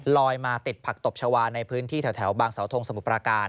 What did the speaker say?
มาติดผักตบชาวาในพื้นที่แถวบางสาวทงสมุทรปราการ